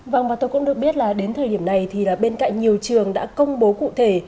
vâng và tôi cũng được biết là đến thời điểm này thì bên cạnh nhiều trường đã công bố cụ thể